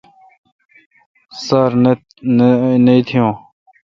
سار نہ اتییون۔